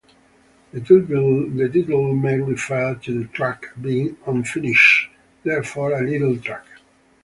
The title may refer to the track being unfinished - therefore a little track.